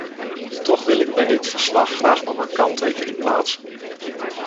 Toch wil ik bij dit verslag graag nog een kanttekening plaatsen.